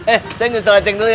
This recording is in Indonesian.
eh saya nunggu salam ceng dulu ya